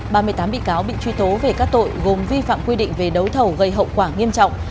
ba mươi tám bị cáo bị truy tố về các tội gồm vi phạm quy định về đấu thầu gây hậu quả nghiêm trọng